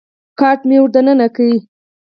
کارت مې ور دننه کړ.